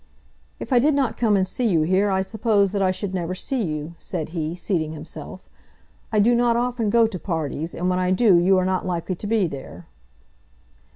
"If I did not come and see you here, I suppose that I should never see you," said he, seating himself. "I do not often go to parties, and when I do you are not likely to be there."